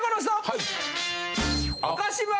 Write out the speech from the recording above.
はい。